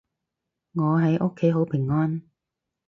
我喺屋企好平安